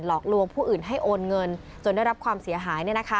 หลอกลวงผู้อื่นให้โอนเงินจนได้รับความเสียหาย